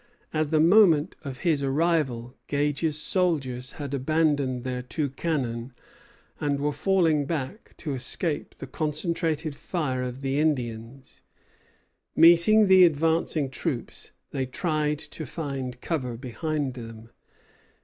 At the moment of his arrival Gage's soldiers had abandoned their two cannon, and were falling back to escape the concentrated fire of the Indians. Meeting the advancing troops, they tried to find cover behind them.